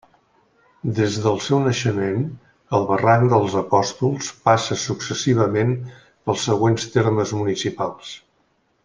Des del seu naixement, el Barranc dels Apòstols passa successivament pels següents termes municipals.